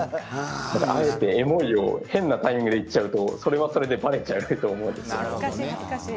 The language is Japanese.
エモいを変なタイミングで言うとそれはそれでバレちゃうと思うんですよね。